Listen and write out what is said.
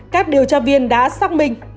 các điều tra viên đã xác minh